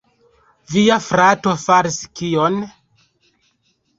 Via frato faris kion?